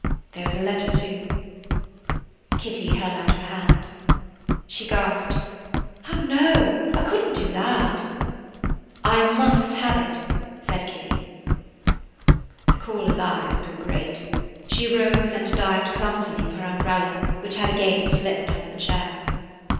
"There was a letter, too." Kitty held out her hand. She gasped: "Oh, no, I couldn't do that!" "I must have it," said Kitty. [Page 30] The caller's eyes grew great. She rose and dived clumsily for her umbrella, which had again slipped under the chair.